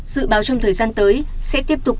dự báo trong thời gian tới sẽ tiếp tục